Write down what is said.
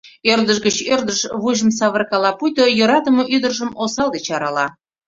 Ӧрдыж гыч ӧрдыжыш вуйжым савыркала, пуйто йӧратыме ӱдыржым осал деч арала.